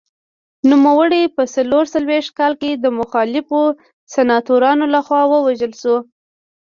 نوموړی په څلور څلوېښت کال کې د مخالفو سناتورانو لخوا ووژل شو.